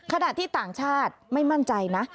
ขณะที่ต่างชาติไม่มั่นใจนะ